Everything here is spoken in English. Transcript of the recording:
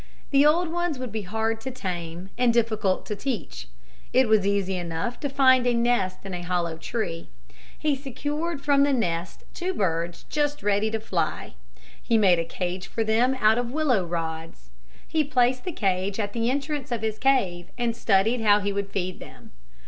The old ones would be hard to tame and difficult to teach. It was easy enough to find a nest in a hollow tree. He secured from the nest two birds just ready to fly. He made a cage for them out of willow rods. He placed the cage at the entrance of his cave and studied how he would feed them.